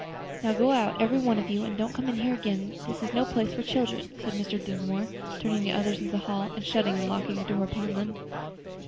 "Now go out, every one of you, and don't come in here again; this is no place for children," said Mr. Dinsmore, turning the others into the hall, and shutting and locking the door upon them.